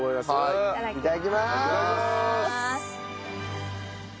いただきます！